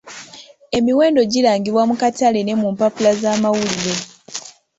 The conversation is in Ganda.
Emiwendo girangibwa mu katale ne mu mpapula z'amawulire.